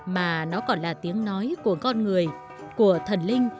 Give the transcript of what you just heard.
mà nó còn là tiếng nói của con người của thần linh